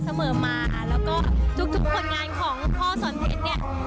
เสมอมาแล้วก็ทุกผลงานของพ่อสอนเพชรเนี่ย